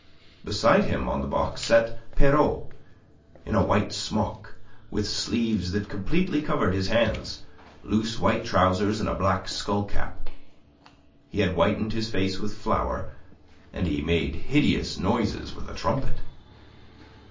Beside him on the box sat Pierrot in a white smock, with sleeves that completely covered his hands, loose white trousers, and a black skull cap. He had whitened his face with flour, and he made hideous noises with a trumpet.